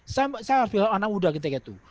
saya harus bilang anak muda ketika itu